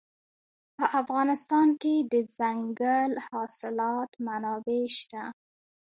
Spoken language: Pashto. په افغانستان کې د دځنګل حاصلات منابع شته.